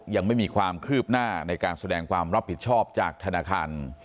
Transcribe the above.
ยังไม่มีความคืบหน้าในการแสดงความรับผิดชอบจากธนาคาร